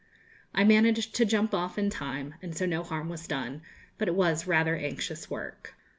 I managed to jump off in time, and so no harm was done; but it was rather anxious work.